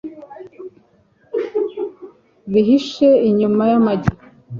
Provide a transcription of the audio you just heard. bihishe inyuma y'umugi